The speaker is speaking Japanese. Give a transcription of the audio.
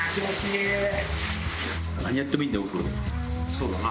そうだな。